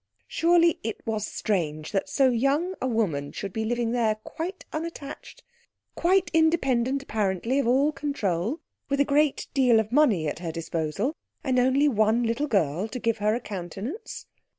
Surely it was strange that so young a woman should be living here quite unattached, quite independent apparently of all control, with a great deal of money at her disposal, and only one little girl to give her a countenance?